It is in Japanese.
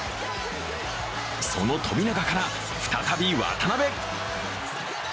その富永から再び渡邊。